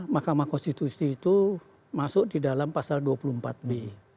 mahkamah konstitusi itu masuk di dalam pasal dua puluh empat b